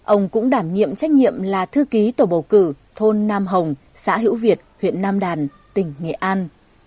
ông cũng đảm nhiệm trách nhiệm là thư ký tổ bầu cử thôn nam hồng xã hữu việt huyện nam đàn tỉnh nghệ an